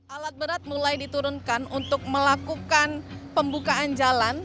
alat berat mulai diturunkan untuk melakukan pembukaan jalan